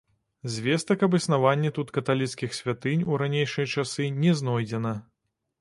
Звестак аб існаванні тут каталіцкіх святынь у ранейшыя часы не знойдзена.